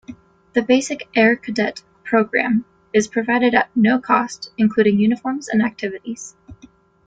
The basic Air Cadet program is provided at no cost, including uniforms and activities.